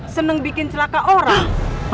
seneng bikin celaka orang